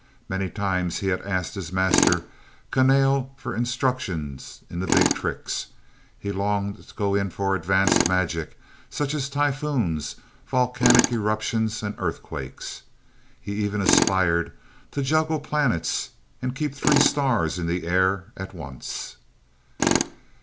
Many times he had asked his master, Kahnale, for instruction in the big tricks. He longed to go in for advanced magic, such as typhoons, volcanic eruptions and earthquakes. He even aspired to juggle planets and keep three stars in the air at once.